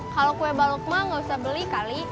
kalau kue balok mah nggak bisa beli kali